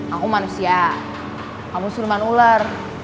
aku manusia kamu suruhman ular